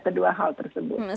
kedua hal tersebut